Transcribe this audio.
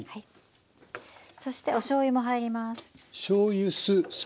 そしておしょうゆも入ります。